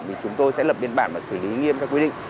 thì chúng tôi sẽ lập biên bản và xử lý nghiêm các quy định